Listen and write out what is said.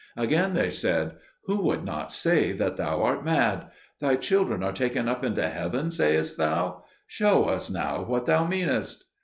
Again they said, "Who would not say that thou art mad? Thy children are taken up into heaven, sayest thou? Show us now what thou meanest."